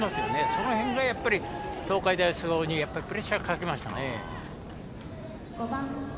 その辺が東海大菅生にプレッシャーをかけました。